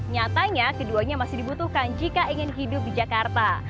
nyatanya keduanya masih dibutuhkan jika ingin hidup di jakarta